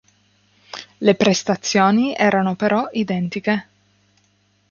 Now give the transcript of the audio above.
Le prestazioni erano però identiche.